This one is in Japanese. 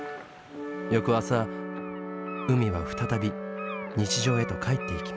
翌朝海未は再び日常へと帰っていきます。